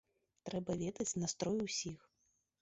Трэба ведаць настрой усіх.